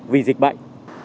vì dịch bệnh